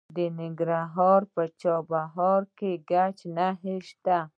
د ننګرهار په چپرهار کې د ګچ نښې شته.